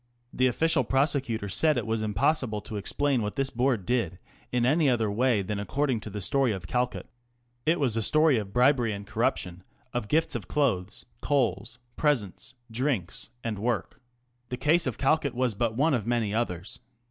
The official of Reviews. prosecutor said it was impossible to explain what this Board did in any other way than according to the story of Calcutt. It was a story of bribery and corruption, of gifts of clothes, coals, presents, drinks, and work. The case of Calcutt was but one of many others.